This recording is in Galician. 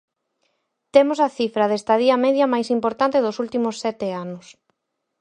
Temos a cifra de estadía media máis importante dos últimos sete anos.